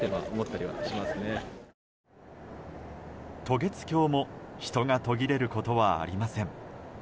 渡月橋も人が途切れることがありません。